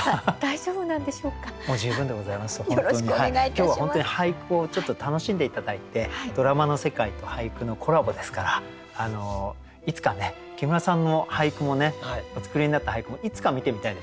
今日は本当に俳句をちょっと楽しんで頂いてドラマの世界と俳句のコラボですからいつかね木村さんの俳句もねお作りになった俳句もいつか見てみたいですよね。